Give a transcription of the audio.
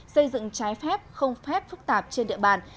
xây dựng trái phép không phép phức tạp trên địa bàn